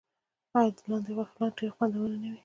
آیا د لاندي غوښه ډیره خوندوره نه وي؟